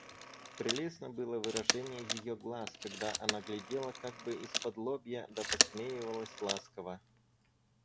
Прелестно было выражение ее глаз, когда она глядела как бы исподлобья да посмеивалась ласково.